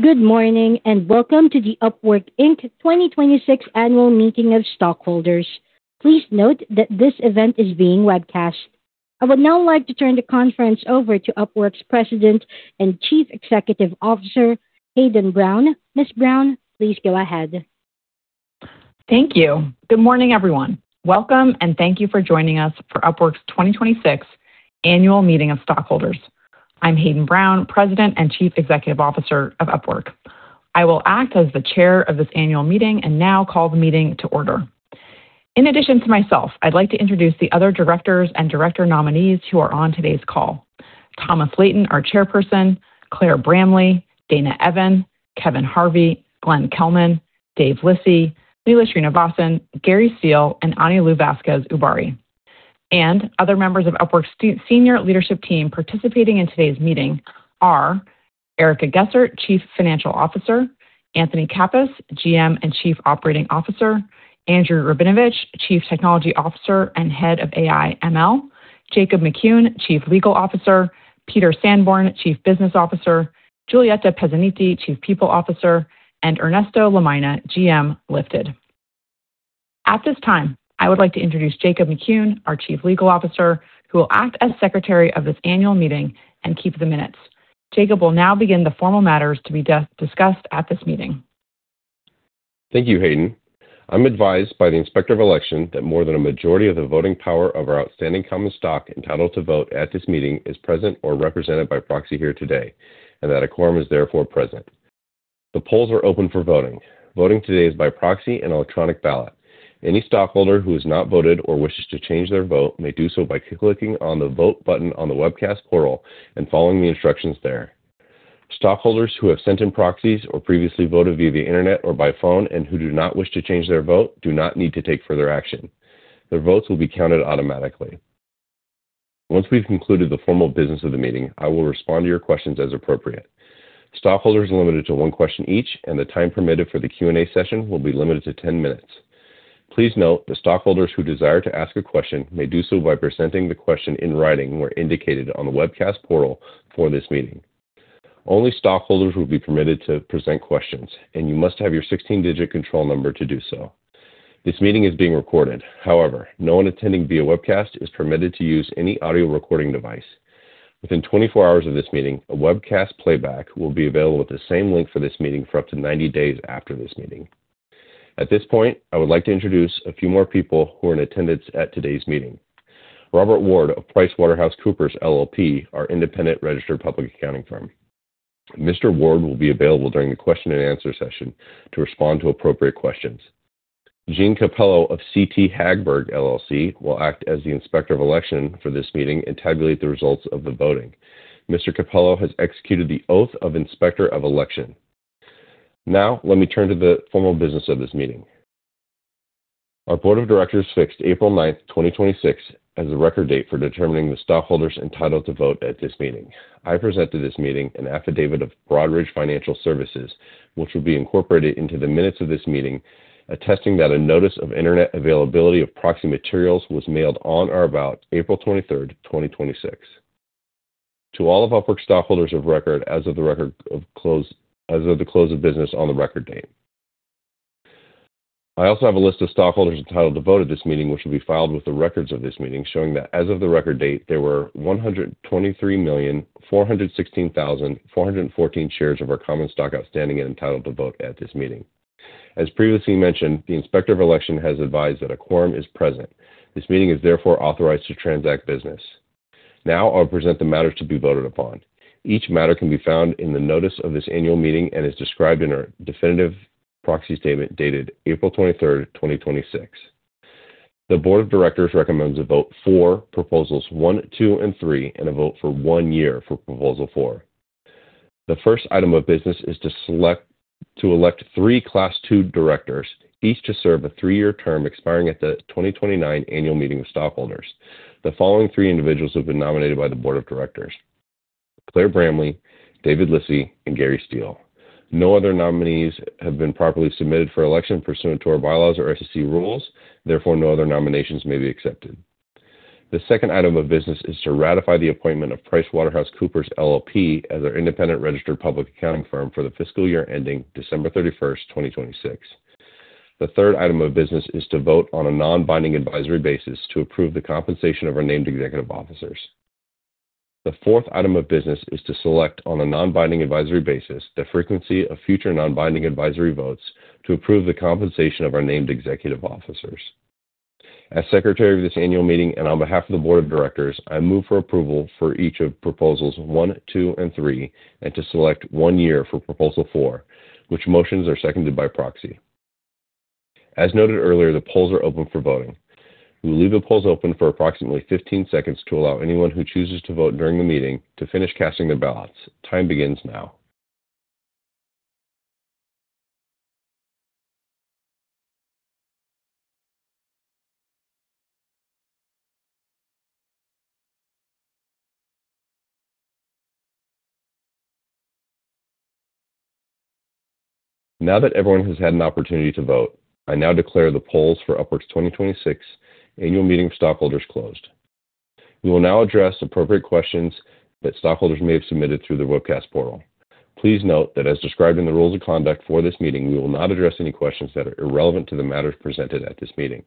Good morning, and welcome to the Upwork Inc. 2026 Annual Meeting of Stockholders. Please note that this event is being webcast. I would now like to turn the conference over to Upwork's President and Chief Executive Officer, Hayden Brown. Ms. Brown, please go ahead. Thank you. Good morning, everyone. Welcome, and thank you for joining us for Upwork's 2026 Annual Meeting of Stockholders. I'm Hayden Brown, President and Chief Executive Officer of Upwork. I will act as the chair of this annual meeting and now call the meeting to order. In addition to myself, I'd like to introduce the other directors and director nominees who are on today's call. Thomas Layton, our Chairperson, Claire Bramley, Dana Evan, Kevin Harvey, Glenn Kelman, Dave Lissy, Leela Srinivasan, Gary Steele, and Anilu Vazquez-Ubarri. Other members of Upwork's senior leadership team participating in today's meeting are Erica Gesar, Chief Financial Officer, Anthony Cappas, GM and Chief Operating Officer, Andrew Rabinovich, Chief Technology Officer and Head of AI/ML, Jacob McQuown, Chief Legal Officer, Peter Sandborn, Chief Business Officer, Julietta Pezziniti, Chief People Officer, and Ernesto Lamina, GM, Lifted. At this time, I would like to introduce Jacob McQuown, our Chief Legal Officer, who will act as Secretary of this annual meeting and keep the minutes. Jacob will now begin the formal matters to be discussed at this meeting. Thank you, Hayden. I'm advised by the Inspector of Election that more than a majority of the voting power of our outstanding common stock entitled to vote at this meeting is present or represented by proxy here today, and that a quorum is therefore present. The polls are open for voting. Voting today is by proxy and electronic ballot. Any stockholder who has not voted or wishes to change their vote may do so by clicking on the vote button on the webcast portal and following the instructions there. Stockholders who have sent in proxies or previously voted via the internet or by phone and who do not wish to change their vote do not need to take further action. Their votes will be counted automatically. Once we've concluded the formal business of the meeting, I will respond to your questions as appropriate. Stockholders are limited to one question each, and the time permitted for the Q&A session will be limited to 10 minutes. Please note that stockholders who desire to ask a question may do so by presenting the question in writing where indicated on the webcast portal for this meeting. Only stockholders will be permitted to present questions, and you must have your 16-digit control number to do so. This meeting is being recorded. However, no one attending via webcast is permitted to use any audio recording device. Within 24 hours of this meeting, a webcast playback will be available at the same link for this meeting for up to 90 days after this meeting. At this point, I would like to introduce a few more people who are in attendance at today's meeting. Robert Ward of PricewaterhouseCoopers LLP, our independent registered public accounting firm. Mr. Ward will be available during the question and answer session to respond to appropriate questions. Gene Capello of CT Hagberg LLC will act as the Inspector of Election for this meeting and tabulate the results of the voting. Mr. Capello has executed the Oath of Inspector of Election. Now, let me turn to the formal business of this meeting. Our Board of Directors fixed April 9th, 2026, as the record date for determining the stockholders entitled to vote at this meeting. I present to this meeting an affidavit of Broadridge Financial Solutions, which will be incorporated into the minutes of this meeting, attesting that a notice of internet availability of proxy materials was mailed on or about April 23rd, 2026 to all of Upwork stockholders of record as of the close of business on the record date. I also have a list of stockholders entitled to vote at this meeting, which will be filed with the records of this meeting, showing that as of the record date, there were 123,416,414 shares of our common stock outstanding and entitled to vote at this meeting. As previously mentioned, the Inspector of Election has advised that a quorum is present. This meeting is therefore authorized to transact business. Now, I'll present the matters to be voted upon. Each matter can be found in the notice of this annual meeting and is described in our definitive proxy statement dated April 23rd, 2026. The Board of Directors recommends a vote for Proposals one, two, and three, and a vote for one year for Proposal 4. The first item of business is to elect three Class 2 directors, each to serve a three-year term expiring at the 2029 annual meeting of stockholders. The following three individuals have been nominated by the Board of Directors, Claire Bramley, David Lissy, and Gary Steele. No other nominees have been properly submitted for election pursuant to our bylaws or SEC rules. Therefore, no other nominations may be accepted. The second item of business is to ratify the appointment of PricewaterhouseCoopers LLP as our independent registered public accounting firm for the fiscal year ending December 31st, 2026. The third item of business is to vote on a non-binding advisory basis to approve the compensation of our named executive officers. The fourth item of business is to select on a non-binding advisory basis the frequency of future non-binding advisory votes to approve the compensation of our named executive officers. As Secretary of this annual meeting and on behalf of the Board of Directors, I move for approval for each of Proposals one, two, and three, and to select one year for Proposal four, which motions are seconded by proxy. As noted earlier, the polls are open for voting. We will leave the polls open for approximately 15 seconds to allow anyone who chooses to vote during the meeting to finish casting their ballots. Time begins now. Now that everyone has had an opportunity to vote, I now declare the polls for Upwork's 2026 Annual Meeting of Stockholders closed. We will now address appropriate questions that stockholders may have submitted through the webcast portal. Please note that as described in the rules of conduct for this meeting, we will not address any questions that are irrelevant to the matters presented at this meeting.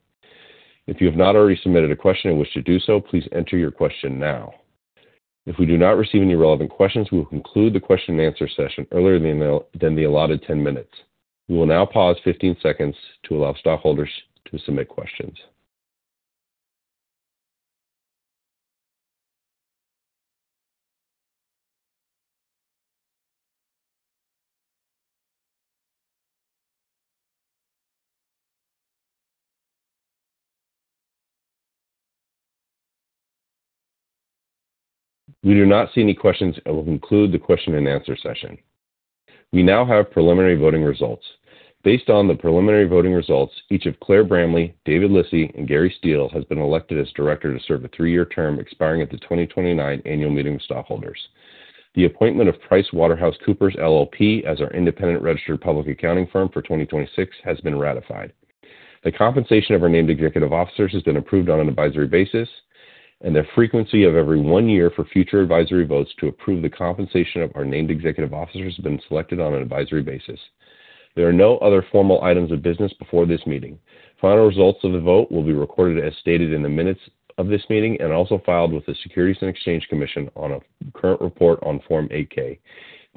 If you have not already submitted a question and wish to do so, please enter your question now. If we do not receive any relevant questions, we will conclude the question and answer session earlier than the allotted 10 minutes. We will now pause 15 seconds to allow stockholders to submit questions. We do not see any questions and will conclude the question and answer session. We now have preliminary voting results. Based on the preliminary voting results, each of Claire Bramley, David Lissy, and Gary Steele has been elected as director to serve a three-year term expiring at the 2029 Annual Meeting of Stockholders. The appointment of PricewaterhouseCoopers LLP as our independent registered public accounting firm for 2026 has been ratified. The compensation of our named executive officers has been approved on an advisory basis, and the frequency of every one year for future advisory votes to approve the compensation of our named executive officers has been selected on an advisory basis. There are no other formal items of business before this meeting. Final results of the vote will be recorded as stated in the minutes of this meeting and also filed with the Securities and Exchange Commission on a current report on Form 8-K.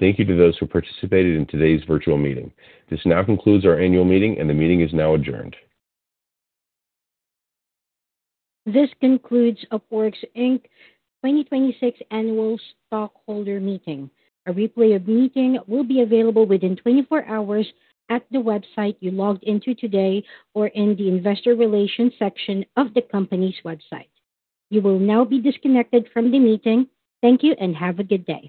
Thank you to those who participated in today's virtual meeting. This now concludes our annual meeting, and the meeting is now adjourned. This concludes Upwork's Inc. 2026 Annual Stockholder Meeting. A replay of the meeting will be available within 24 hours at the website you logged into today or in the investor relations section of the company's website. You will now be disconnected from the meeting. Thank you and have a good day.